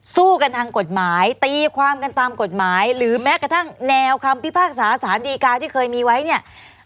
สู้กันทางกฎหมายตีความกันตามกฎหมายหรือแม้กระทั่งแนวคำพิพากษาสารดีกาที่เคยมีไว้เนี่ย